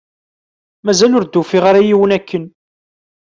Mazal ur d-ufiɣ ara yiwen akken